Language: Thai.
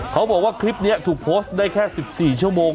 เขาบอกว่าคลิปนี้ถูกโพสต์ได้แค่๑๔ชั่วโมง